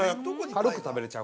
◆軽く食べれちゃう。